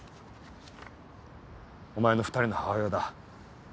お前の２人の母親だ。